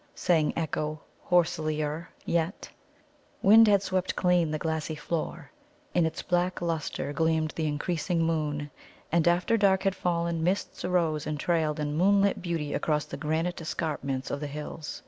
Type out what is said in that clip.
sang echo hoarselier yet. Wind had swept clean the glassy floor. In its black lustre gleamed the increasing moon. And after dark had fallen, mists arose and trailed in moonlit beauty across the granite escarpments of the hills.